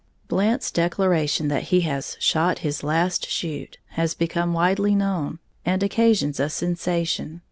_ Blant's declaration that he has "shot his last shoot" has become widely known, and occasions a sensation.